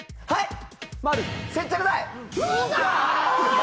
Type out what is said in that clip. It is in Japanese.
はい。